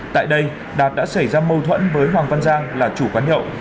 tại đây đạt đã xảy ra mâu thuẫn với hoàng văn giang là chủ quán nhậu